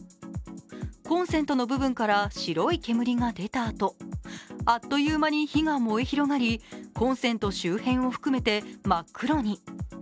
コンセントの部分から白い煙が出たあとあっという間に火が燃え広がりコンセント周辺を含めて真っ黒に。